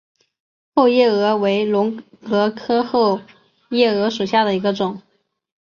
后夜蛾为隆蛾科后夜蛾属下的一个种。